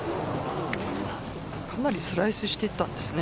かなりスライスしていったんですね。